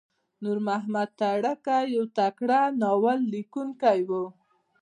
نورمحمد ترهکی یو تکړه ناوللیکونکی وو.